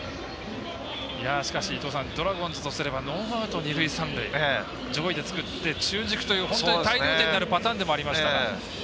しかしドラゴンズとすればノーアウト、二塁三塁を上位で作って中軸という大量点になるパターンでもありましたが。